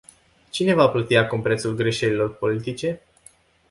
Cine va plăti acum prețul greșelilor politice?